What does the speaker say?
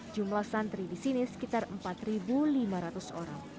jumlah santri di sini sekitar empat lima ratus orang